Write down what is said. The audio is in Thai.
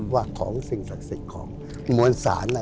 ว่าของสิ่งศักดิ์สิทธิ์ของมวลศาล